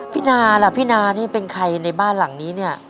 พี่นาล่ะพี่นานี่เป็นใครในบ้านหลังนี้เนี่ย